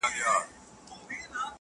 اوس مي د سپين قلم زهره چاودلې”